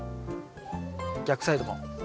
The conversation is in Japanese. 逆サイドも。